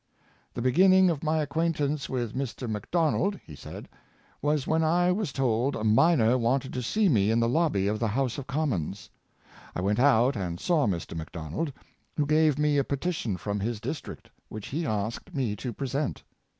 " The beginning of my acquaintance with Mr. Macdonald," he said, " was when I was told a miner wanted to see me in the lobby of the House of Commons. I went out and saw Mr. Macdonald, who gave me a petition from his district, which he asked me to present.